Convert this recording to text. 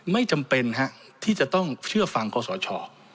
ไม่จำเป็นที่จะต้องเชื่อฟังคอสช